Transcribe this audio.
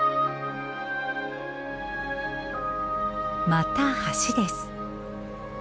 また橋です。